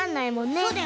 そうだよね。